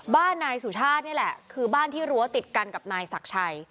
บ้านนายสุชาตินี่แหละคือบ้านที่รั้วติดกันกับนายศักดิ์ชัย